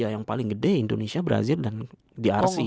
yang paling gede indonesia brazil dan drc